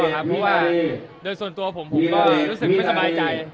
เพราะว่าโดยส่วนตัวผมผมก็รู้สึกไม่สบายใจ